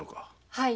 はい。